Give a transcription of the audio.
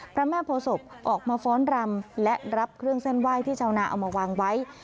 พระแม่โพศพออกมาฟ้อนรำและรับเครื่องเส้นไหว้ที่ชาวนาเอามาวางไว้